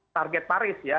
target paris ya